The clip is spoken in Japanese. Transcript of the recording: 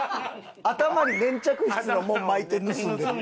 頭に粘着質のもん巻いて盗んでる。